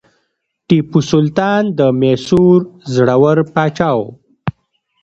ټیپو سلطان د میسور زړور پاچا و.